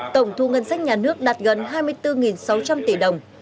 tổng thu ngân sách nhà nước đạt gần hai mươi bốn sáu trăm linh tỷ đồng